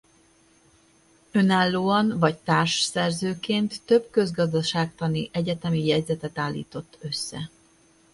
Önállóan vagy társszerzőként több közgazdaságtani egyetemi jegyzetet állított össze.